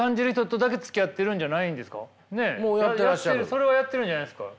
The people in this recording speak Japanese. それはやっているんじゃないんですか。